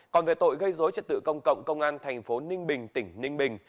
còn về tội gây dối trật tự công cộng công an thành phố ninh bình tỉnh ninh bình